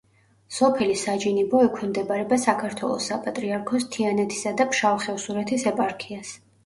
სოფელი საჯინიბო ექვემდებარება საქართველოს საპატრიარქოს თიანეთისა და ფშავ-ხევსურეთის ეპარქიას.